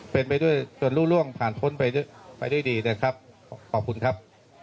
เป็นไปด้วยจนรู้ร่วงผ่านพ้นไปได้ดีนะครับขอบคุณครับ